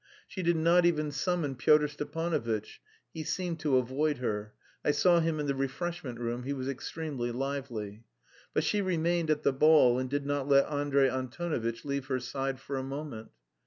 She did not even summon Pyotr Stepanovitch (he seemed to avoid her; I saw him in the refreshment room, he was extremely lively). But she remained at the ball and did not let Andrey Antonovitch leave her side for a moment.